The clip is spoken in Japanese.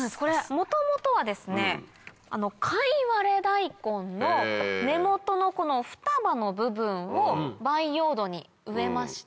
元々はカイワレダイコンの根元のこの双葉の部分を培養土に植えまして。